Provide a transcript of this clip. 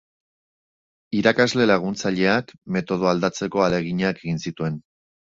Irakasle laguntzaileak metodoa aldatzeko ahaleginak egin zituen.